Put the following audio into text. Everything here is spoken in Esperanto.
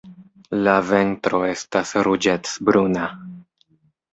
La ventro estas ruĝecbruna.